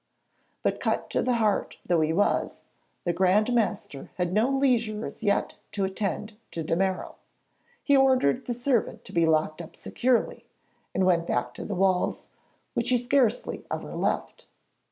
But cut to the heart though he was, the Grand Master had no leisure as yet to attend to de Merall; he ordered the servant to be locked up securely, and went back to the walls, which he scarcely ever left.